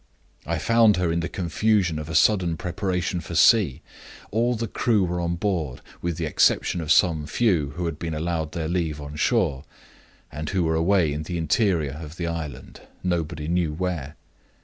I found her in the confusion of a sudden preparation for sea. All the crew were on board, with the exception of some few who had been allowed their leave on shore, and who were away in the interior of the island, nobody knew where.